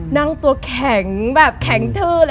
นั่งตัวแข็งแบบแข็งทืด